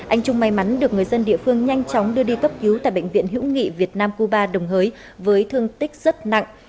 anh trung may mắn được người dân địa phương nhanh chóng đưa đi cấp cứu tại bệnh viện hữu nghị việt nam cuba đồng hới với thương tích rất nặng